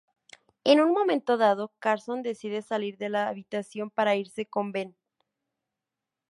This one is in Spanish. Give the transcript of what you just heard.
En un momento dado, Carson decide salir de la habitación para irse con Benn.